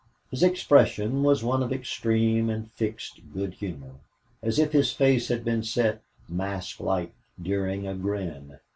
His expression was one of extreme and fixed good humor, as if his face had been set, mask like, during a grin.